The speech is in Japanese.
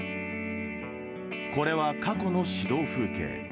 これは過去の指導風景。